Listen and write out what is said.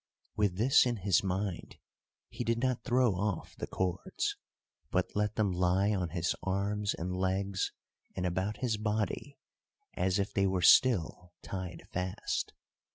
With this in his mind, he did not throw off the cords, but let them lie on his arms and legs and about his body, as if they were still tied fast.